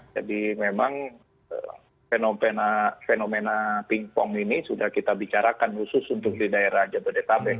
jadi memang fenomena pingpong ini sudah kita bicarakan khusus untuk di daerah jabodetabek